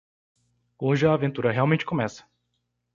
Hoje a aventura realmente começa.